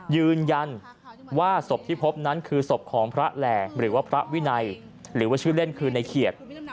ยืนยันว่าศพที่พบนั้นคือศพของพระแหล่หรือว่าพระวินัยหรือว่าชื่อเล่นคือในเขียด